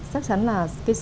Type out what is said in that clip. sắc chắn là